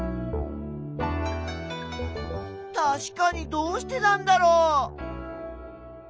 たしかにどうしてなんだろう？